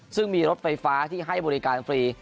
ซึ่งมีรถไฟฟ้าที่ให้บริการฟรี